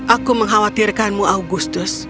aku mengkhawatirkanmu augustus